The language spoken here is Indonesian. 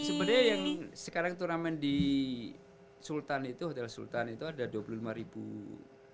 sebenernya yang sekarang turnamen di sultan itu hotel sultan itu ada dua puluh lima man future itu bagus mbak mas kualitas pemainnya terus apa itu